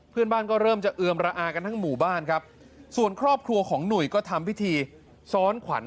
เพื่อนบ้านก็เริ่มจะเอือมระอากันทั้งหมู่บ้านครับส่วนครอบครัวของหนุ่ยก็ทำพิธีซ้อนขวัญ